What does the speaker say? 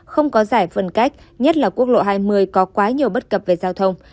không có giải phân cách nhất là quốc lộ hai mươi có quá nhiều bất cập về giao thông